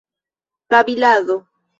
babilado